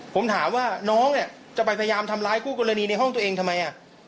ผมถามว่าน้องจะไปพยายามทำร้ายคู่กรณีในห้องตัวเองทำไม